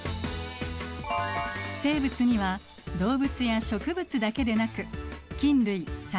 生物には動物や植物だけでなく菌類細菌類などがいます。